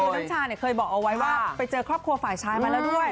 น้ำชาเนี่ยเคยบอกเอาไว้ว่าไปเจอครอบครัวฝ่ายชายมาแล้วด้วย